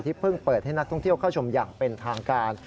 เพิ่งเปิดให้นักท่องเที่ยวเข้าชมอย่างเป็นทางการ